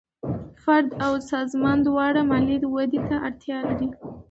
فرد او سازمان دواړه مالي ودې ته اړتیا لري.